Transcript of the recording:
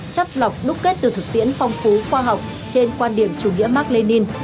chắp lọc đúc kết từ thực tiễn phong phú khoa học trên quan điểm chủ nghĩa mark lenin